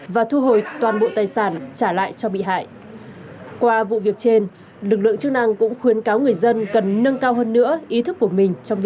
và tìm hiểu đối tượng